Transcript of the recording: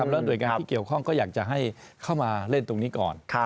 แล้วหน่วยงานที่เกี่ยวข้องก็อยากจะให้เข้ามาเล่นตรงนี้ก่อน